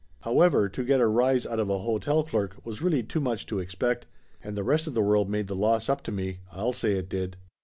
However, to get a rise out of a hotel clerk was really too much to expect, and the rest of the world made the loss up to me, I'll say it did